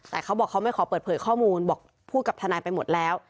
แต่เขาบอกเขาไม่ขอเปิดเผยข้อมูลบอกพูดกับทนายไปหมดแล้ว